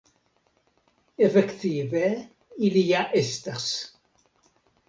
Efektive ili ja estas.